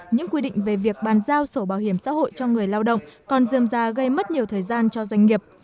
những quy định về việc bàn giao sổ bảo hiểm xã hội cho người lao động còn dườm ra gây mất nhiều thời gian cho doanh nghiệp